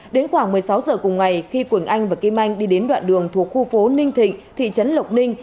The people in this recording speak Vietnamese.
đến khoảng một mươi sáu giờ cùng ngày khi quỳnh anh và kim anh đi đến đoạn đường thuộc khu phố ninh thịnh thị trấn lộc ninh